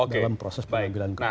dalam proses pengambilan keputusan